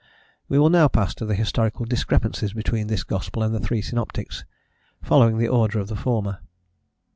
We will now pass to the historical discrepancies between this gospel and the three synoptics, following the order of the former.